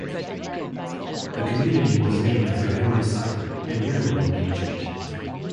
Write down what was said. The community was named after Henry Seibert, a railroad agent.